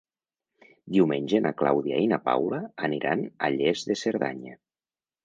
Diumenge na Clàudia i na Paula aniran a Lles de Cerdanya.